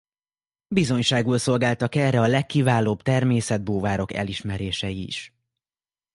Bizonyságul szolgáltak erre a legkiválóbb természetbúvárok elismerései is.